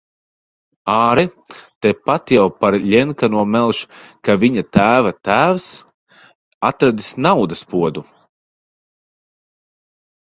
Āre, tepat jau par Ļenkano melš, ka viņa tēva tēvs atradis naudas podu.